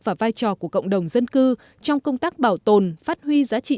và vai trò của cộng đồng dân cư trong công tác bảo tồn phát huy giá trị